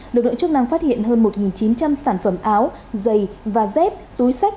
được đội chức năng phát hiện hơn một chín trăm linh sản phẩm áo giày và dép túi sách